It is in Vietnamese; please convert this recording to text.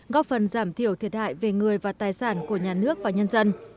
góp phần giảm thiểu thiệt hại về người và tài sản của nhà nước và nhân dân